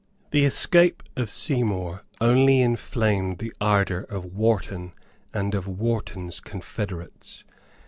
The escape of Seymour only inflamed the ardour of Wharton and of Wharton's confederates.